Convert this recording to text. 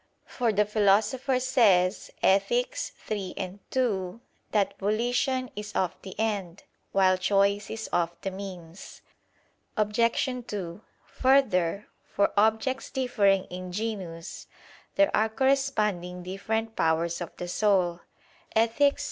For the Philosopher says (Ethic. iii, 2) that "volition is of the end, while choice is of the means." Obj. 2: Further, "For objects differing in genus there are corresponding different powers of the soul" (Ethic.